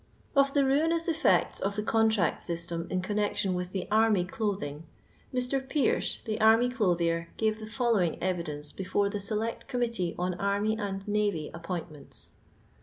Of the rainous effects of the contract system in connection with the army clothing, Mr. Pearse, the army clothier, gave the following evidence before the Select Committee on Army and Navy Appointments.